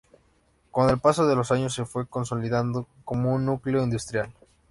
Con el paso de los años se fue consolidando como un núcleo industrial.